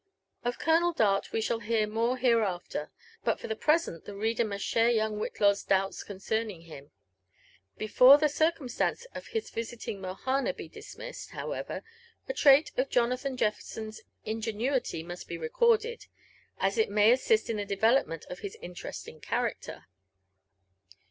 Of Colonel Dart we shall hear more hereafter; but for the present the reader must share young Whitlaw's doubts concerning him. Be fore the circumstance of his visiting Mohana be dismissed, however, a trait of Jonathan Jefferson's ingenuity must be recorded, as it may assist in the development of his interesting character.